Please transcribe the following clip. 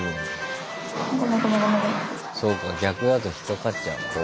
そうか逆だとひっかかっちゃうのか。